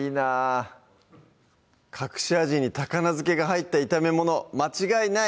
隠し味に高菜漬けが入った炒め物間違いない！